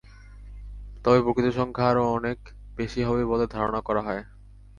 তবে প্রকৃত সংখ্যা আরও অনেক বেশি হবে বলে ধারণা করা হয়।